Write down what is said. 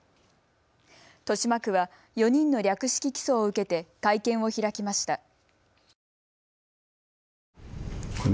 豊島区は４人の略式起訴を受けて会見を開きました。